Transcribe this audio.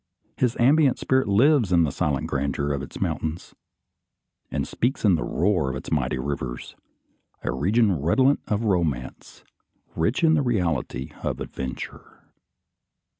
His ambient spirit lives in the silent grandeur of its mountains, and speaks in the roar of its mighty rivers: a region redolent of romance, rich in the reality of adventure.